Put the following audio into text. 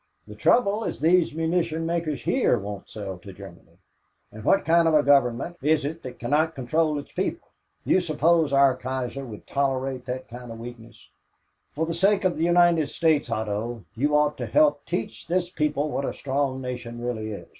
The trouble is these munition makers here won't sell to Germany." "But what kind of a government is it that cannot control its people? Do you suppose our Kaiser would tolerate that kind of weakness? For the sake of the United States, Otto, you ought to help teach this people what a strong nation really is.